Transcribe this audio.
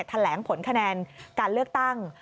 แถลงผลคะแนนการเลือกตั้ง